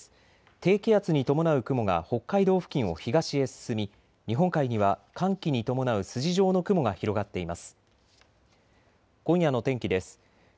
低気圧に伴う雲が北海道付近を東へ進み日本海には寒気に伴う筋状の雲が広がっています。